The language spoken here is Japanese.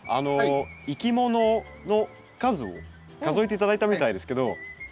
いきものの数を数えて頂いたみたいですけど。